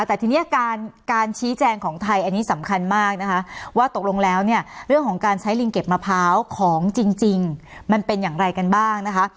แต่ทีนี้การชี้แจงของไทยอันนี้สำคัญมากนะคะว่าตกลงแล้วเนี่ยเรื่องของการใช้ลิงเก็บมะพร้าวของจริงมันเป็นอย่างไรกันบ้างนะคะ